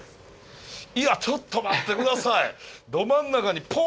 いやちょっと待って下さい！